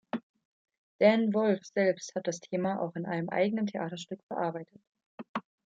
Dan Wolf selbst hat das Thema auch in einem eigenen Theaterstück bearbeitet.